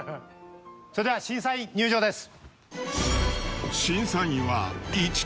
それでは審査員入場です。